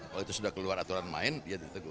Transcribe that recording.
kalau itu sudah keluar aturan main ya ditegur